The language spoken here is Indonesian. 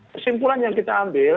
kesimpulan yang kita ambil